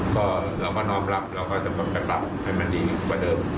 ก็เราก็น้อมรับเราก็จะปรับให้มันดีกว่าเดิม